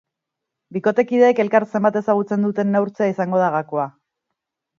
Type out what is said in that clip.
Bikotekideek elkar zenbat ezagutzen duten neurtzea izango da gakoa.